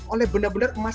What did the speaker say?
oleh benar benar emasnya